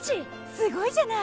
すごいじゃない！